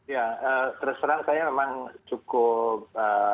ya terus terang saya memang cukup